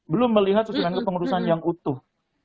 belum melihat susunan kepengurusan yang utuh